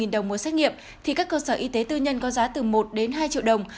bảy trăm ba mươi bốn đồng mỗi xét nghiệm thì các cơ sở y tế tư nhân có giá từ một đến hai triệu đồng